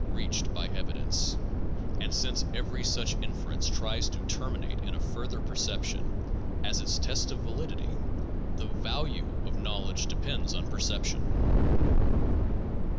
PSYCHOLOGY AND SCIENTIFIC METHODS 399 since every such inference tries to terminate in a further perception (as its test of validity), the value of knowing depends on perception.